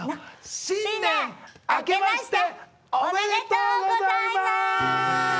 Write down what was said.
新年あけましておめでとうございます！